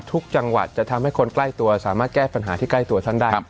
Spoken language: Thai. ทุกจังหวัดจะทำให้คนใกล้ตัวสามารถแก้ปัญหาที่ใกล้ตัวท่านได้